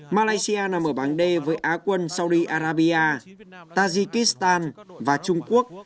malaysia nằm ở bảng d với á quân saudi arabia tajikistan và trung quốc